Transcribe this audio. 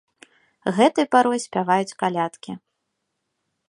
Гэтай парой спяваюць калядкі.